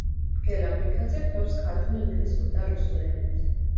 გელა მიქაძე ფლობს ქართულ, ინგლისურ და რუსულ ენებს.